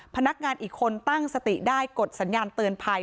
พนักงานอีกคนตั้งสติได้กดสัญญาณเตือนภัย